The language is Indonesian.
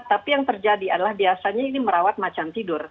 tapi yang terjadi adalah biasanya ini merawat macan tidur